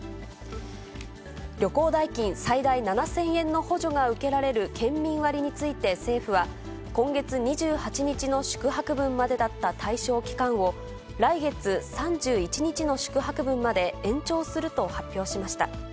旅行代金最大７０００円の補助が受けられる県民割について政府は、今月２８日の宿泊分までだった対象期間を、来月３１日の宿泊分まで延長すると発表しました。